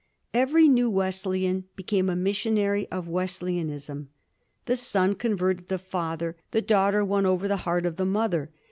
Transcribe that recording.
Every new Wesleyan became a missionary of Wesleyan ism. The son converted the father, the daughter won over the heart of the mother.